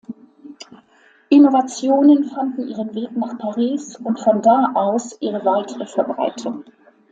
Innovationen fanden ihren Weg nach Paris und von da aus ihre weitere Verbreitung.